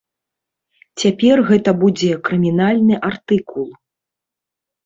Цяпер гэта будзе крымінальны артыкул!